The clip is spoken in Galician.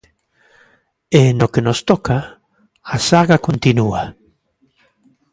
E, no que nos toca, a saga continúa.